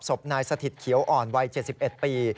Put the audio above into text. ศพนายสถิตเขียวอ่อนวัย๗๑ปี